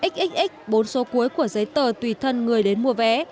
xx bốn số cuối của giấy tờ tùy thân người đến mua vé